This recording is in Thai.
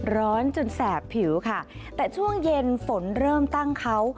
ร้อนจนแสบผิวค่ะแต่ช่วงเย็นฝนเริ่มตั้งเขา